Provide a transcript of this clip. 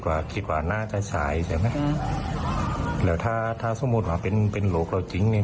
ถ้าสมมติว่าไม่ใส่น้องแพร่ถ้าไม่ใส่น้องแพร่แล้วตอนนี้น้องแพร่ยังมีชีวิตอยู่